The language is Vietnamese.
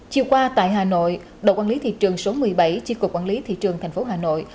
chiều qua tại hà nội đội quản lý thị trường số một mươi bảy chi cục quản lý thị trường tp hà nội